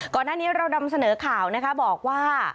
ก่อนหน้านี้เรานำเสนอข่าวนะคะบอกว่า